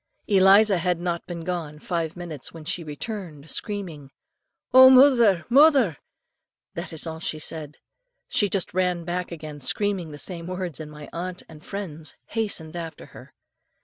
"Eliza had not been gone five minutes, when she returned screaming, 'Oh, murther! murther!' that is all she said. She just ran back again, screaming the same words, and my aunt and friends hastened after her.